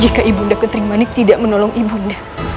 jika ibu ndak ketrimanik tidak menolong ibu ndak